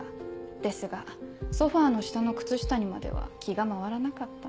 ですがソファの下の靴下にまでは気が回らなかった。